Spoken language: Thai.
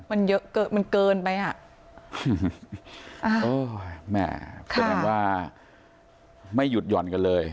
มันเยอะเกินมันเกินไปอ่ะอ่าเออแม่แสดงว่าไม่หยุดหย่อนกันเลย